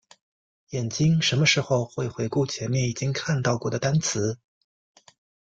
眼睛什么时候会回顾前面已经看到过的单词？